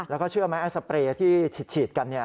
แล้วก็เชื่อไหมไอ้สเปรย์ที่ฉีดกัน